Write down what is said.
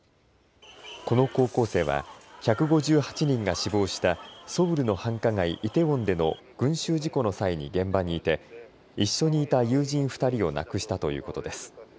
この高校生は１５８人が死亡したソウルの繁華街イテウォンでの群集事故の際に現場にいて一緒にいた友人２人を亡くしたということです。